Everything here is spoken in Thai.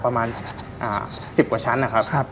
ประมาณ๑๐กว่าชั้นนะครับ